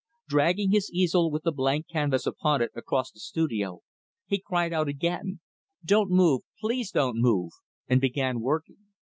Dragging his easel with the blank canvas upon it across the studio, he cried out, again, "Don't move, please don't move!" and began working.